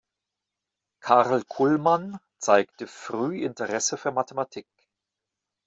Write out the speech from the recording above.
Karl Culmann zeigte früh Interesse für Mathematik.